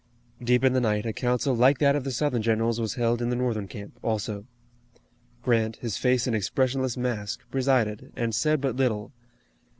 Deep in the night a council like that of the Southern generals was held in the Northern camp, also. Grant, his face an expressionless mask, presided, and said but little.